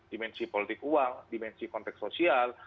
dimensi politik uang dimensi konteks sosial